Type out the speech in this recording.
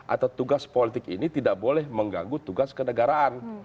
atau tugas politik ini tidak boleh mengganggu tugas kenegaraan